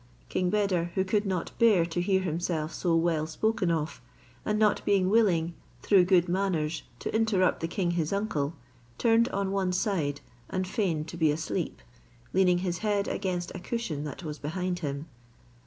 King Beder, who could not bear to hear himself so well spoken of, and not being willing, through good manners, to interrupt the king his uncle, turned on one side, and feigned to be asleep, leaning his head against a cushion that was behind him.